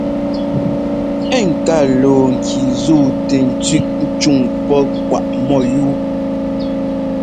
Ɛ́ ŋká luu ŋki zúu tɛ tsʉ́ꞌ cúŋ pɔ́ kwaꞌ mɔ́yúu.